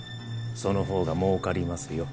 その方がもうかりますよ。